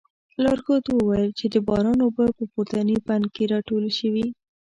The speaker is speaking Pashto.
لارښود وویل چې د باران اوبه په پورتني بند کې راټولې شوې.